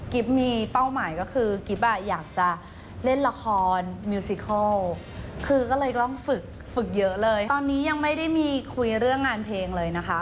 มีเป้าหมายก็คือกิ๊บอ่ะอยากจะเล่นละครมิวซิโคลคือก็เลยต้องฝึกฝึกเยอะเลยตอนนี้ยังไม่ได้มีคุยเรื่องงานเพลงเลยนะคะ